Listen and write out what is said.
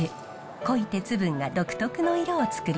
濃い鉄分が独特の色をつくります。